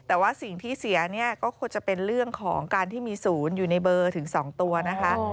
แต่ว่าสิ่งที่เสียเนี่ยก็คงจะเป็นเรื่องของการที่มีศูนย์อยู่ในเบอร์ถึง๒ตัวนะคะ